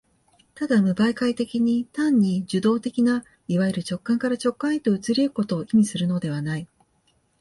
ただ無媒介的に、単に受働的ないわゆる直観から直観へと移り行くことを意味するのではない。